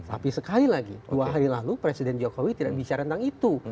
tapi sekali lagi dua hari lalu presiden jokowi tidak bicara tentang itu